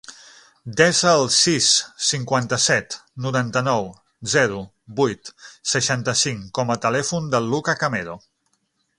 Desa el sis, cinquanta-set, noranta-nou, zero, vuit, seixanta-cinc com a telèfon del Luka Camero.